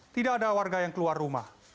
tidak ada warga yang keluar rumah